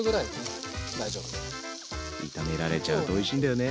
炒められちゃうとおいしいんだよね。